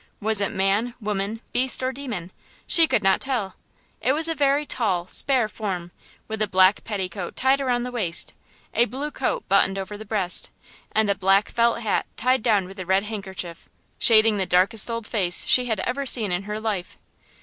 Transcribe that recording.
Was it man, woman, beast or demon? She could not tell! It was a very tall, spare form, with a black petticoat tied around the waist, a blue coat buttoned over the breast, and a black felt hat tied down with a red handkerchief, shading the darkest old face she had ever seen in her life.